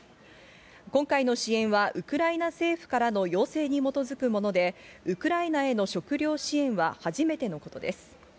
今回の支援はウクライナ政府からの要請に基づくもので、ウクライナへの食料支援は初めてのことです。